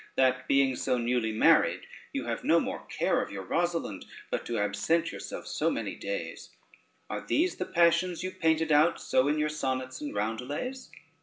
that being so newly married, you have no more care of your Rosalynde, but to absent yourself so many days? Are these the passions you painted out so in your sonnets and roundelays?